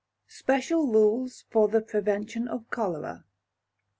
Special Rules for the Prevention of Cholera.